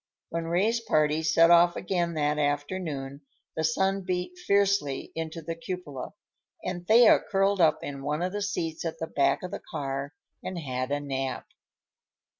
When Ray's party set off again that afternoon the sun beat fiercely into the cupola, and Thea curled up in one of the seats at the back of the car and had a nap.